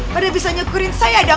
padahal bisa nyekurin saya aja